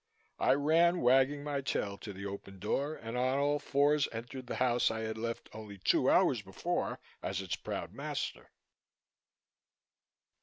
I ran, wagging my tail, to the open door and on all fours entered the house I had left only two hours before as its proud master.